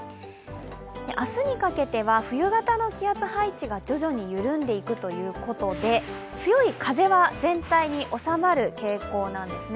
明日にかけては冬型の気圧配置が徐々に緩んでいくということで強い風は全体におさまる傾向なんですね。